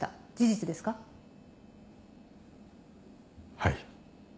はい。